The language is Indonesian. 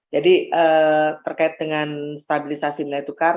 jadi terkait dengan stabilisasi nilai tukar